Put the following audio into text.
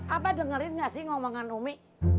apa dengerin gak sih ngomongan umi